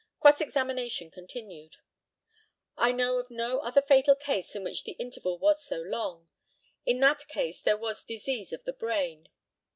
Cross examination continued: I know of no other fatal case in which the interval was so long. In that case there was disease of the brain.